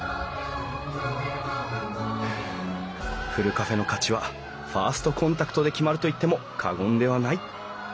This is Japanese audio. カフェの価値はファーストコンタクトで決まると言っても過言ではない。